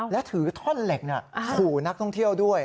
และถือท่อนเหล็กขู่นักท่องเที่ยวด้วย